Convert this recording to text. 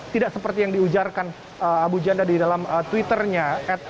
tidak seperti yang diujarkan abu janda di dalam twitternya